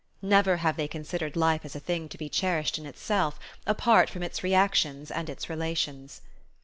Never have they considered life as a thing to be cherished in itself, apart from its reactions and its relations.